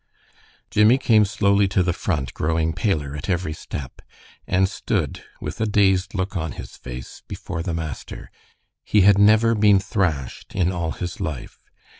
Jimmie came slowly to the front, growing paler at each step, and stood with a dazed look on his face, before the master. He had never been thrashed in all his life.